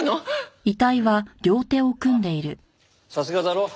あっさすがだろ。